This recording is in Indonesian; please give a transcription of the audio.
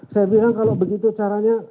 saya bilang kalau begitu caranya